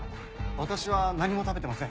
私は何も食べてません。